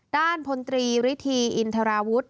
ด้านพลตรีริธีอินทราวุธ